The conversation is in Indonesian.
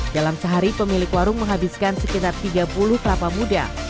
dalam sehari pemilik warung menghabiskan sekitar tiga puluh kelapa muda